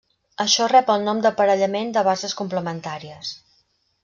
Això rep el nom d'aparellament de bases complementàries.